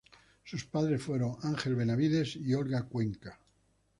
Sus padres fueron Ángel Benavides y Olga Cuenca.